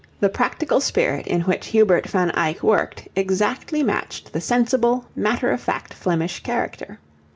The practical spirit in which Hubert van Eyck worked exactly matched the sensible, matter of fact Flemish character.